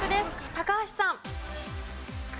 高橋さん。